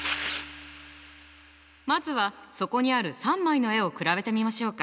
まずはそこにある３枚の絵を比べてみましょうか。